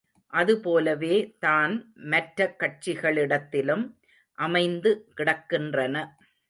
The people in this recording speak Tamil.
அதுபோலவே தான் மற்ற கட்சிகளிடத்திலும் அமைந்து கிடக்கின்றன.